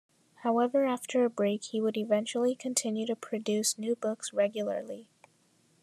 However after a break he would eventually continue to produce new books regularly.